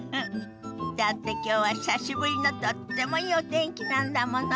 だってきょうは久しぶりのとってもいいお天気なんだもの。